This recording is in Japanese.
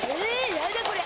やだこれ。